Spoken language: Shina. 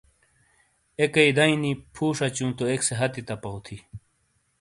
ایکئیی دئیی نی پھُو شَچُوں تو ایکسے ہتھی تَپاؤ تھی۔